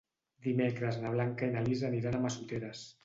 Dimecres na Blanca i na Lis aniran a Massoteres.